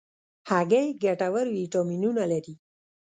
هګۍ ګټور ویټامینونه لري.